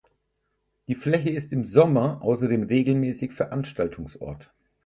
Die Fläche ist im Sommer außerdem regelmäßig Veranstaltungsort.